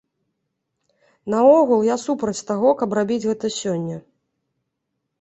Наогул, я супраць таго, каб рабіць гэта сёння.